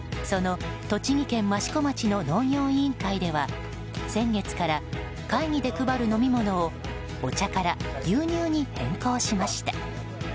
その栃木県益子町の農業委員会では先月から、会議で配る飲み物をお茶から牛乳に変更しました。